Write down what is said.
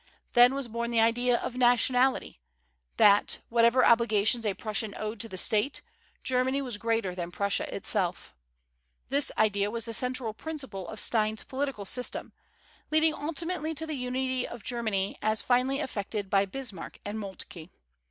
Then was born the idea of nationality, that, whatever obligations a Prussian owed to the state, Germany was greater than Prussia itself. This idea was the central principle of Stein's political system, leading ultimately to the unity of Germany as finally effected by Bismarck and Moltke.